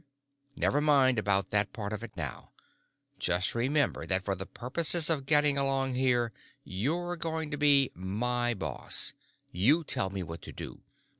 Never mind about that part of it now; just remember that for the purposes of getting along here, you're going to be my boss. You tell me what to do.